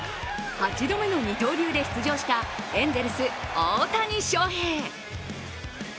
８度目の二刀流で出場したエンゼルス・大谷翔平。